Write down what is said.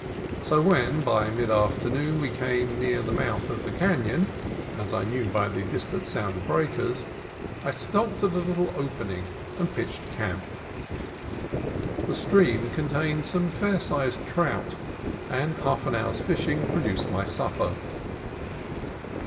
So when by mid afternoon we came near the mouth of the canon (as I knew by the distant sound of breakers), I stopped at a little opening and pitched camp. The stream con tained some fair sized trout, and a half hour's fishing produced my supper.